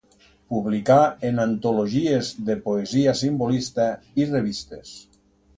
Publicà en antologies de poesia simbolista i revistes.